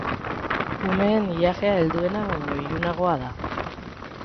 Kumeen ilajea helduena baino ilunagoa da.